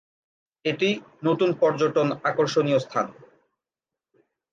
এটি নতুন পর্যটন আকর্ষণীয় স্থান।